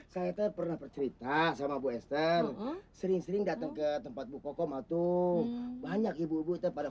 saya pernah bercerita sama bu esther sering sering datang ke tempat bukokom atau banyak ibu ibu terpada